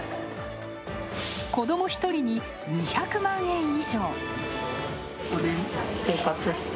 子ども一人に２００万円以上。